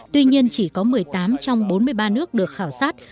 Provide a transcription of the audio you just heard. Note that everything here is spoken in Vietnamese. tuy nhiên chỉ có một mươi tám trong bốn mươi ba nước được khảo sát